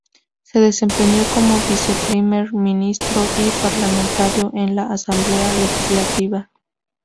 Se desempeñó como Viceprimer Ministro y Parlamentario en la Asamblea Legislativa.